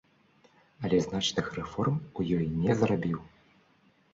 Але значных рэформ у ёй не зрабіў.